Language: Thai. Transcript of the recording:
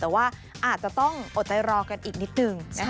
แต่ว่าอาจจะต้องอดใจรอกันอีกนิดนึงนะคะ